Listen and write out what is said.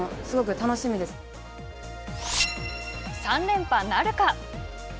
３連覇なるか。